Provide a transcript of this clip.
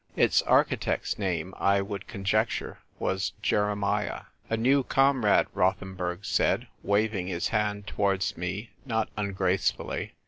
Its architect's name, I would conjecture, was Jeremiah. "A new comrade," Rothcnburg said, wav ing his hand towards me not ungracefully.